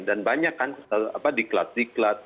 dan banyak kan di klatik